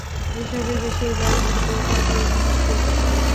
এসবের বেশিরভাগ ঘটে থাকে উন্নয়নশীল বিশ্বে।